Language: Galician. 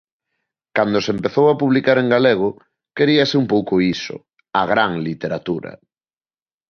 Cando se empezou a publicar en galego, queríase un pouco iso: a gran literatura.